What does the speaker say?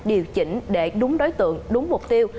điều chỉnh để đúng đối tượng đúng mục tiêu